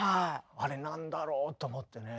あれ何だろう？と思ってね。